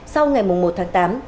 sau ngày một tháng tám